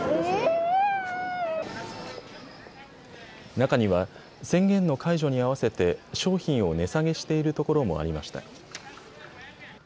中には宣言の解除に合わせて商品を値下げしているところもありました。